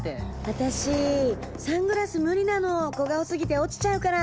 「私サングラス無理なの小顔過ぎて落ちちゃうから」。